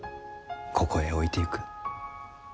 ここへ置いてゆく。